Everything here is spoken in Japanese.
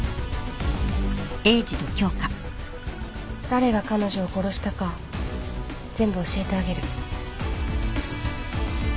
誰が彼女を殺したか全部教えてあげる。